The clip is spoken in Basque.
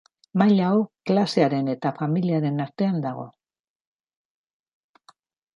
Maila hau klasearen eta familiaren artean dago.